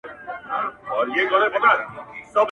هغسې پر دوی خپل وحشتونه تجربه کوو